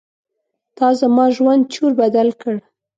تا زما ژوند چور بدل کړ.